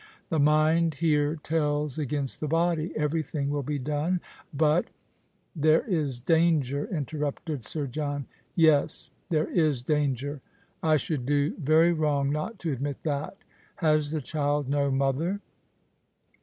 The mind here tells against the body. Everything will be done, but "" There is danger !" interrupted Sir John. "Yes, there is danger. I should do very wrong not to admit that. Has the child no mother